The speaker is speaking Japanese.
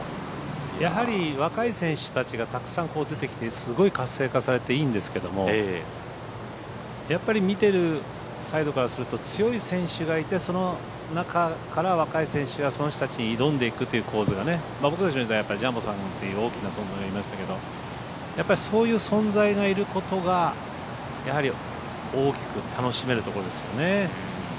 やはり若い選手たちがたくさん出てきてすごい活性化されていいんですけどやっぱり見てるサイドからすると強い選手がいてその中から若い選手がその人たちに挑んでいくという構図が僕たちの時代はジャンボさんという大きな存在がいましたけどやっぱりそういう存在がいることがやはり大きく楽しめるところですよね。